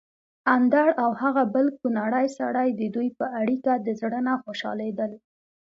اندړ او هغه بل کونړی سړی ددوی په اړېکه د زړه نه خوشحاليدل